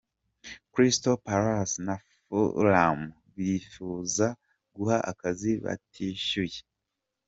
Crystal Palace na Fulham bipfuza guha akazi Batshuayi.